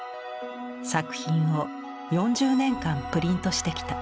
作品を４０年間プリントしてきた。